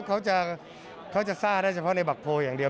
เขาจะซ่าได้เฉพาะในบักโพลอย่างเดียว